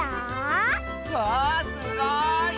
わあすごい！